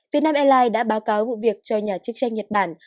việt nam airlines đã báo cáo vụ việc cho nhà chức trách nhật bản